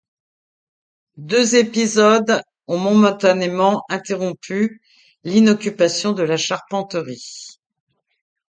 Deux épisodes ont momentanément interrompu l’inoccupation de la Charpenterie.